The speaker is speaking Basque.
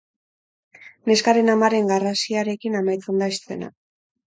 Neskaren amaren garrasiarekin amaitzen da eszena.